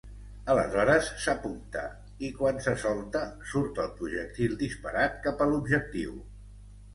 Aleshores, s'apunta i, quan se solta, surt el projectil disparat cap a l'objectiu.